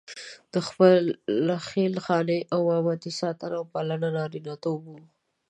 د خپلې خېل خانې او مامتې ساتنه او پالنه نارینتوب وو.